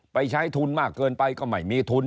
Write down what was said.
ไปใช้ทุนมากเกินไปก็ไม่มีทุน